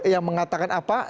yang mengatakan apa